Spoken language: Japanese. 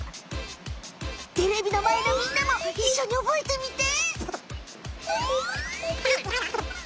テレビのまえのみんなもいっしょに覚えてみて。